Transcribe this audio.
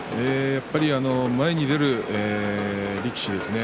前に出る力士ですね。